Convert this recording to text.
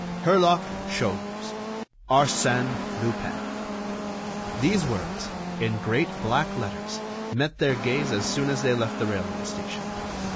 HERLOCK SHOLMES—ARSÈNE LUPIN. These words, in great black letters, met their gaze as soon as they left the railway station.